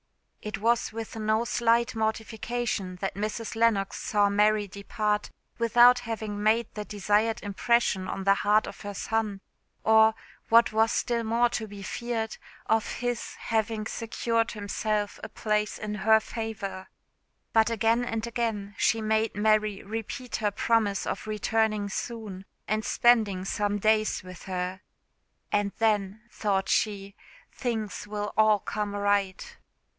It was with no slight mortification that Mrs. Lennox saw Mary depart without having made the desired impression on the heart of her son; or, what was still more to be feared, of his having secured himself a place in her favour. But again and again she made Mary repeat her promise of returning soon, and spending some days with her. "And then," thought she, "things will all come right.